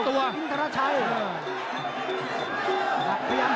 ตอนนี้มันถึง๓